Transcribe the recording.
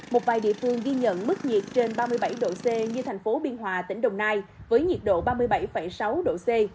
một vài địa phương ghi nhận mức nhiệt trên ba mươi bảy độ c như thành phố biên hòa tỉnh đồng nai với nhiệt độ ba mươi bảy sáu độ c